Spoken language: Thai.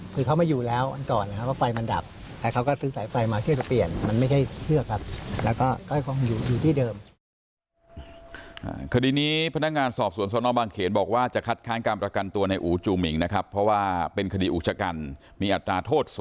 เขาเลยมานานโทษะแล้วก็ฆ่า